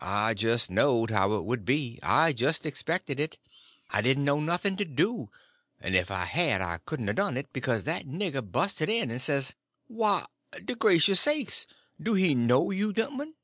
I just knowed how it would be; I just expected it. I didn't know nothing to do; and if I had I couldn't a done it, because that nigger busted in and says: "Why, de gracious sakes! do he know you genlmen?"